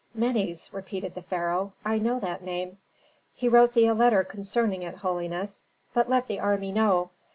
"Menes," repeated the pharaoh, "I know that name." "He wrote thee a letter concerning it, holiness. But let the army know."